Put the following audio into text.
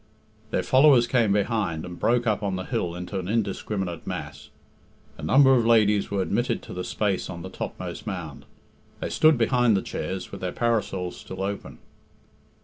Their followers came behind, and broke up on the hill into an indiscriminate mass. A number of ladies were admitted to the space on the topmost round. They stood behind the chairs, with their parasols still open.